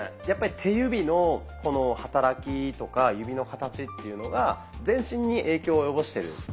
やっぱり手指のこの働きとか指の形っていうのが全身に影響を及ぼしてる。